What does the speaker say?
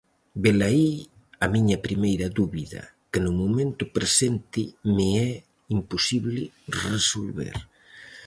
Velaí a miña primeira dúbida, que no momento presente me é imposible resolver.